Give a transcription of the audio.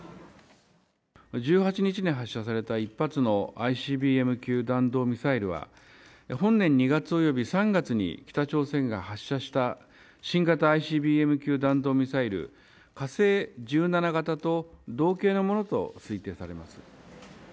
１８日に発射された１発のＩＣＢＭ級弾道ミサイルは、本年２月及び３月に北朝鮮が発射した新型ＩＣＢＭ級弾道ミサイル、火星１７型と同型のものと推定されます。